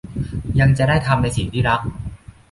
ยังจะได้ทำในสิ่งที่รัก